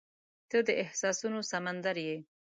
• ته د احساسونو سمندر یې.